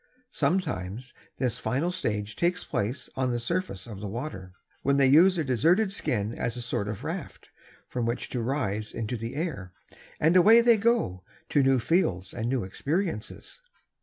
Sometimes this final change takes place on the surface of the water, when they use their deserted skin as a sort of raft, from which to rise into the air, and away they go to new fields and new experiences.